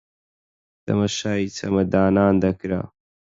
تەماشای چەمەدانان دەکرا